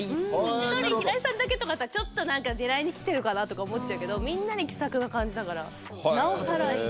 １人、平井さんとかだけだったら、ちょっと、なんか狙いに来てるかなと思っちゃうけど、みんなに気さくな感じだから、なおさら。